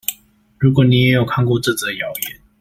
如果你也有看過這則謠言